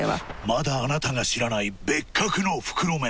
まだあなたが知らない別格の袋麺。